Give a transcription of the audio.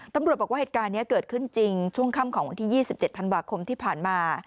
ตำรวจบอกว่าเหตุการณ์นี้เกิดขึ้นจริงช่วงค่ำของวันที่๒๗ธันวาคมที่ผ่านมา